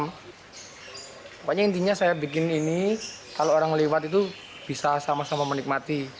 pokoknya intinya saya bikin ini kalau orang lewat itu bisa sama sama menikmati